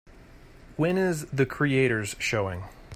When is The Creators showing